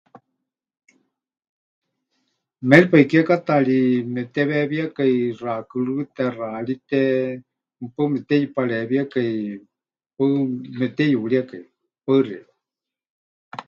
Méripai kiekátaari mepɨteweewiekai xakɨrɨ́te, xaaríte, mɨpaɨ mepɨteyupareewíekai, paɨ mepɨteyuríekai. Paɨ xeikɨ́a.